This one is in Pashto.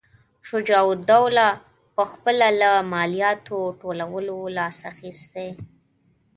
شجاع الدوله پخپله له مالیاتو ټولولو لاس اخیستی.